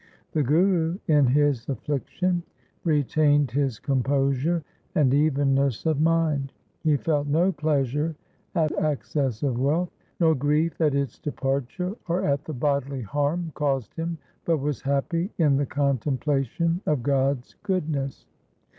The Guru in his affliction retained his composure and evenness of mind. He felt no pleasure at access of wealth, nor grief at its departure, or at the bodily harm caused him, but was happy in the contemplation of God's goodness.